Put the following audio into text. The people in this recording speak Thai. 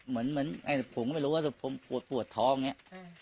คือผมเหมือนผมไม่รู้ว่าผมปวดปวดท้องเนี่ย